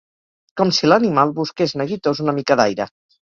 Com si l'animal busqués neguitós una mica d'aire.